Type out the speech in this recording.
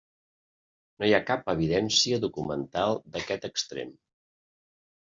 No hi ha cap evidència documental d'aquest extrem.